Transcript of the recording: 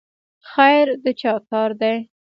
خیر د چا کار دی؟